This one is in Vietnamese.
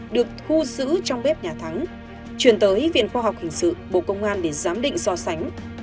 được thu giữ trong bếp nhà thắng chuyển tới viện khoa học hình sự bộ công an để giám định so sánh